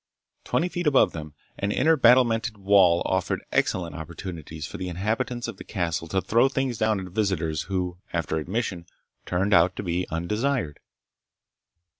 Twenty feet above them, an inner battlemented wall offered excellent opportunities for the inhabitants of the castle to throw things down at visitors who after admission turned out to be undesired.